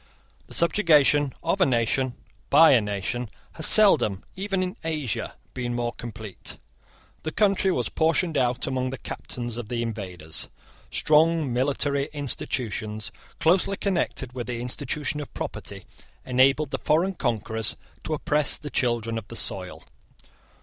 The subjugation of a nation by a nation has seldom, even in Asia, been more complete. The country was portioned out among the captains of the invaders. Strong military institutions, closely connected with the institution of property, enabled the foreign conquerors to oppress the children of the soil.